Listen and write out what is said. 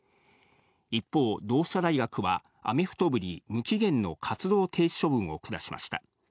一方、同志社大学は、アメフト部に無期限の活動停止処分を下しました。